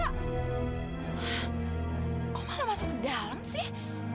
kau malah masuk dalem sih